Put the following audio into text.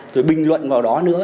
rồi bình luận vào đó nữa